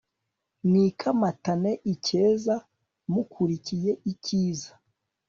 mwikamatane icyeza, mukurikiye icyiza